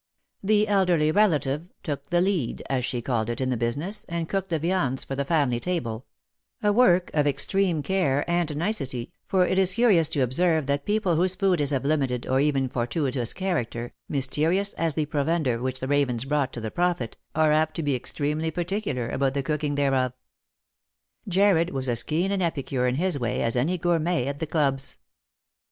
The elderly relative " took the lead," as she called it, in the business, and cooked the viands for the family table ; a work of extreme care and nicety, for it is curious to observe that people whose food is of a limited or even fortuitous character, mysterious as the provender which the ravens brought to the prophet, are apt to be extremely particular about the cooking thereof. Jarred was as keen an epicure in his way as any gourmet at the clubs.